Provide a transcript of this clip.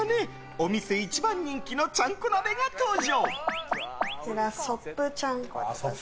お店１番人気のちゃんこ鍋が登場！